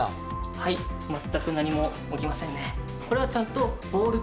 はい全く何も起きませんね。